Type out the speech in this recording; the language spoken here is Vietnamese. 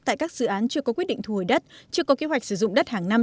tại các dự án chưa có quyết định thu hồi đất chưa có kế hoạch sử dụng đất hàng năm